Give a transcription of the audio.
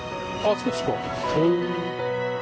そうですか。